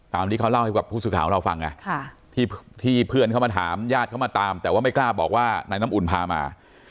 ตามที่เขาเล่าให้กับผู้สื่อข่าวของเราฟังที่เพื่อนเขามาถามญาติเขามาตามแต่ว่าไม่กล้าบอกว่านายน้ำอุ่นพามา